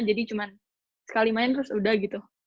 jadi cuman sekali main terus udah gitu